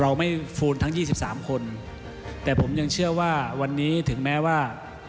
เราไม่ฟูนทั้งยี่สิบสามคนแต่ผมยังเชื่อว่าวันนี้ถึงแม้ว่า